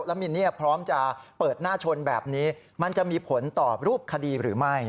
แล้วมินเนี่ยพร้อมจะเปิดหน้าชนแบบนี้มันจะมีผลต่อรูปคดีหรือไม่